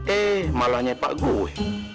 eh malahnya pak gue